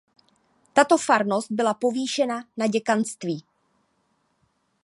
Tato farnost byla povýšena na děkanství.